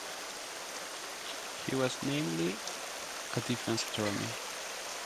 He was namely a defense attorney.